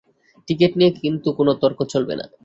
Ticket নিয়ে কিন্তু কোন তর্ক চলবে না।